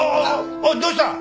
おいどうした？